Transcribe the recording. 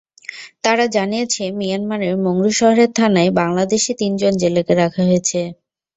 তারা জানিয়েছে, মিয়ানমারের মংডু শহরের থানায় বাংলাদেশি তিনজন জেলেকে রাখা হয়েছে।